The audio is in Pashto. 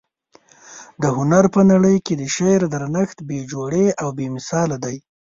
د هنر په نړۍ کي د شعر درنښت بې جوړې او بې مثاله دى.